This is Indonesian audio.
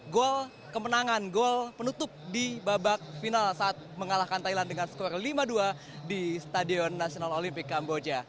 gol kemenangan gol penutup di babak final saat mengalahkan thailand dengan skor lima dua di stadion nasional olimpik kamboja